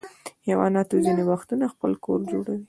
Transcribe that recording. حیوانات ځینې وختونه خپل کور جوړوي.